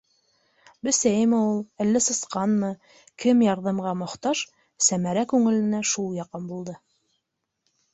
Бесәйме ул, әллә сысҡанмы - кем ярҙамға мохтаж, Сәмәрә күңеленә шул яҡын булды.